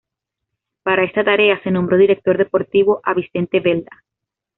Para esta tarea se nombró director deportivo a Vicente Belda.